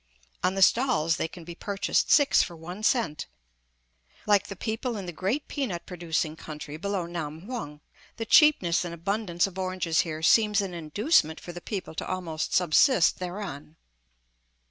On the stalls they can be purchased six for one cent; like the people in the great peanut producing country below Nam hung, the cheapness and abundance of oranges here seems an inducement for the people to almost subsist thereon.